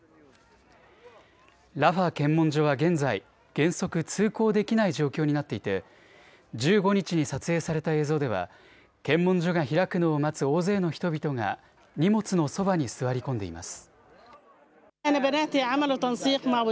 ラファ検問所は現在、原則通行できない状況になっていて１５日に撮影された映像では検問所が開くのを待つ大勢の人々が荷物のそばに座り込んでいます。